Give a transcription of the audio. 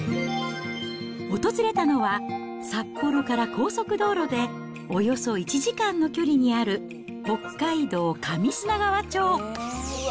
訪れたのは札幌から高速道路でおよそ１時間の距離にある、北海道上砂川町。